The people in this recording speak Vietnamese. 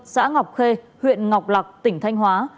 xã ngọc khê huyện ngọc lạc tỉnh thanh hóa